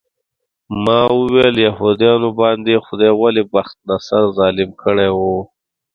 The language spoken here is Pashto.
ما وویل یهودانو باندې خدای ولې بخت النصر ظالم کړی و.